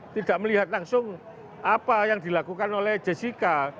tidak melihat langsung apa yang dilakukan oleh jessica